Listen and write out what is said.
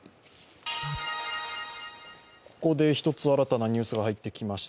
ここで１つ新たなニュースが入ってきました。